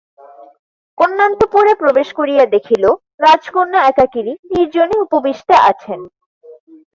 কন্যান্তঃপুরে প্রবেশ করিয়া দেখিল রাজকন্যা একাকিনী নির্জনে উপবিষ্টা আছেন।